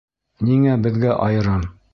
«Ниңә беҙгә айырым?»